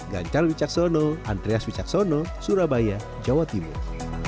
ganjar wicaksono andreas wicaksono surabaya jawa timur